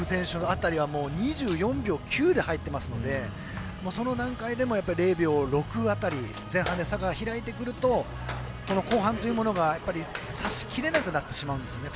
辺りは２４秒９で入っていますのでその段階でも０秒６辺り前半で差が開いてくるとこの後半というものがさしきれなくなってしまうんですよね。